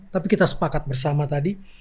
tapi kita sepakat bersama tadi